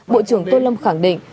bộ trưởng tôn lâm khẳng định